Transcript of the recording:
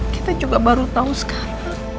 kita juga baru tahu sekarang